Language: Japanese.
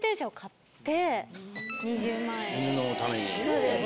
そうです。